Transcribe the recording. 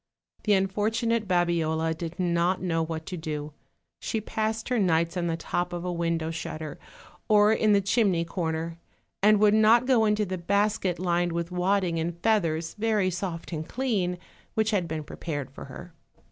The unfortunate Babiola did not know what to do; she passed her nights on the top of a window shutter, or in the chimney corner, and would not go into the basket lined with wadding and feathers, very soft and clean, which had been prepared for her.